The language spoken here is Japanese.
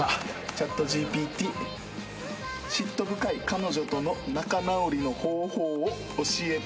ＣｈａｔＧＰＴ嫉妬深い彼女との仲直りの方法を教えて。